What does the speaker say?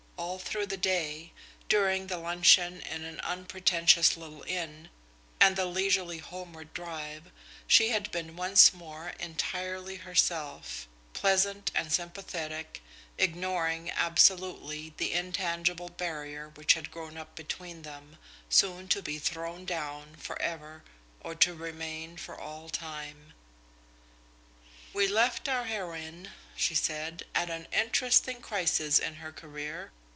All through the day, during the luncheon in an unpretentious little inn, and the leisurely homeward drive, she had been once more entirely herself, pleasant and sympathetic, ignoring absolutely the intangible barrier which had grown up between them, soon to be thrown down for ever or to remain for all time. "We left our heroine," she said, "at an interesting crisis in her career.